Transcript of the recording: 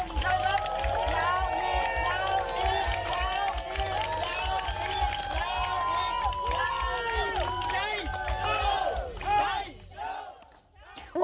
ใช่ไหมครับ